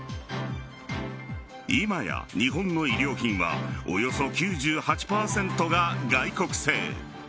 今や日本の衣料品はおよそ９８％が外国製。